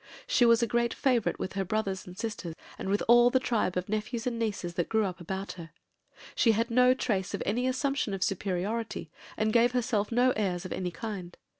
She was a great favourite with her brothers and sister, and with all the tribe of nephews and nieces that grew up about her. She had no trace of any assumption of superiority, and gave herself no airs of any kind.